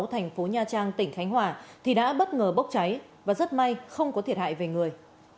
thành phố nha trang tỉnh khánh hòa thì đã bất ngờ bốc cháy và rất may không có thiệt hại về người